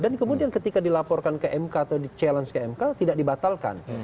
kemudian ketika dilaporkan ke mk atau di challenge ke mk tidak dibatalkan